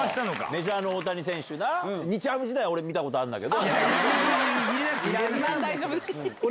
メジャーの大谷選手、日ハム時代、俺、見たことあるんだけど。